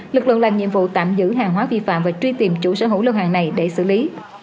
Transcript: lực lượng làm nhiệm vụ tạm giữ hàng hóa vi phạm và truy tìm chủ sở hữu lô hàng này để xử lý